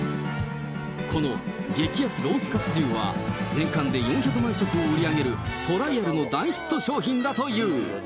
この激安ロースかつ重は、年間で４００万食を売り上げるトライアルの大ヒット商品だという。